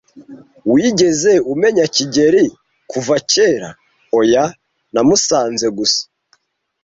"Wigeze umenya kigeli kuva kera?" "Oya, namusanze gusa.